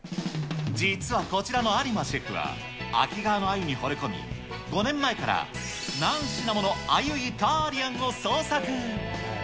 実はこちらの有馬シェフは、秋川のあゆにほれ込み、５年前から何品ものあゆイタリアンを創作。